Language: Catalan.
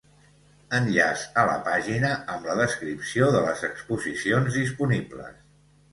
Enllaç a la pàgina amb la descripció de les exposicions disponibles.